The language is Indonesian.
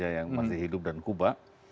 yang masih hidup dan kuba